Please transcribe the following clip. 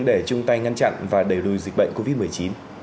để chung tay ngăn chặn và đẩy lùi dịch bệnh covid một mươi chín